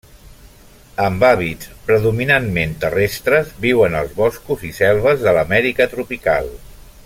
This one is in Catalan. Amb hàbits predominantment terrestres, viuen als boscos i selves de l'Amèrica tropical.